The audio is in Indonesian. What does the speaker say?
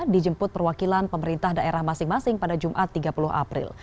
dijemput perwakilan pemerintah daerah masing masing pada jumat tiga puluh april